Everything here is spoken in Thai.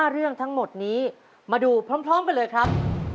เรื่องทั้งหมดนี้มาดูพร้อมกันเลยครับ